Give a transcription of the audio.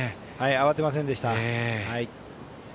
慌てませんでした。